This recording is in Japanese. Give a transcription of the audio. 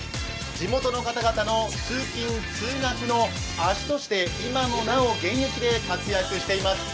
地元の方々の通勤・通学の足として今もなお現役で活躍しています。